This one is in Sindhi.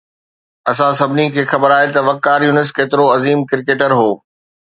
اسان سڀني کي خبر آهي ته وقار يونس ڪيترو عظيم ڪرڪيٽر هو